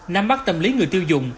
nam mắt tâm lý người tiêu dùng